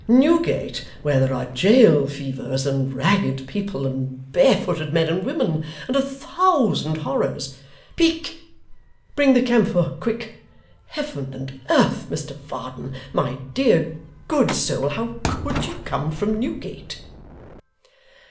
Newgate, where there are jail fevers, and ragged people, and bare footed men and women, and a thousand horrors! Peak, bring the camphor, quick! Heaven and earth, Mr Varden, my dear, good soul, how COULD you come from Newgate?